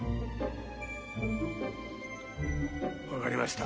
分かりました。